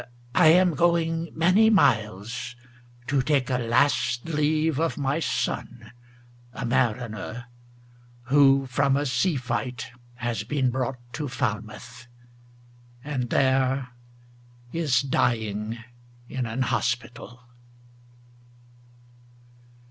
I am going many miles to take A last leave of my son, a mariner, Who from a sea fight has been brought to Falmouth, And there is dying in an hospital."